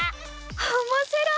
おもしろい！